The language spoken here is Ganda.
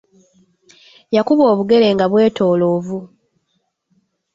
Yakuba obugere nga bwetoolovu.